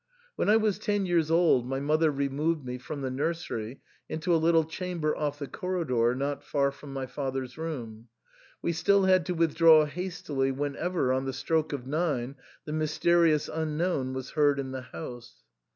When I was ten years old my mother removed me from the nursery into a little chamber off the corridor not far from my father's room. We still had to withdraw hastily whenever, on the stroke of nine, the mysterious unknown was heard in the house.